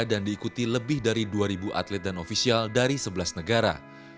dan diikuti lebih dari dua atlet dan ofisial dari sebelas negara